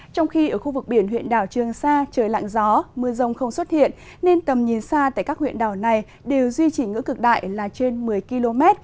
trong khi ở khu vực biển huyện đảo trường sa trời lạnh gió mưa rông không xuất hiện nên tầm nhìn xa tại các huyện đảo này đều duy trì ngưỡng cực đại là trên một mươi km